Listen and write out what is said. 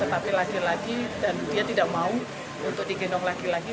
tetapi laki laki dan dia tidak mau untuk digendong laki laki